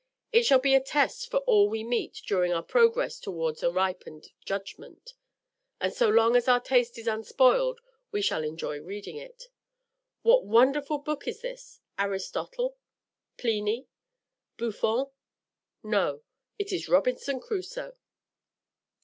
It shall be a test for all we meet during our progress toward a ripened judgment, and so long as our taste is unspoiled we shall enjoy reading it. What wonderful book is this? Aristotle? Pliny? Buffon? No; it is Robinson Crusoe."